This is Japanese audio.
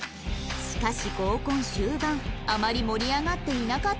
しかし合コン終盤あまり盛り上がっていなかった様子